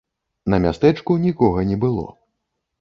На мястэчку нікога не было.